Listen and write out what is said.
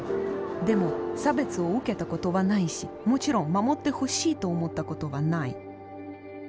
でも差別を受けたことはないしもちろん守ってほしいと思ったことはない。